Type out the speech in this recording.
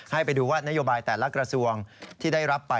ให้ไปดูว่านโยบายแต่ละกระทรวงที่ได้รับไป